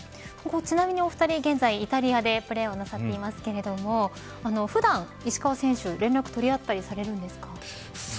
ちなみにお２人現在イタリアでプレーなさっていますけれど普段、石川選手連絡取り合ったりされるんですか。